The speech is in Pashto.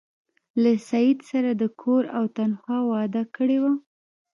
له سید سره د کور او تنخوا وعده کړې وه.